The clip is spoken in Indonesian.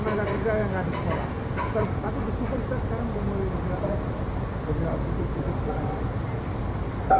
jadi harus tetap di sekolah